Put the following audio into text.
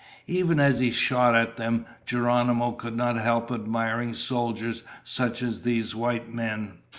Even as he shot at them, Geronimo could not help admiring soldiers such as these white men.